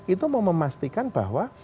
itu mau memastikan bahwa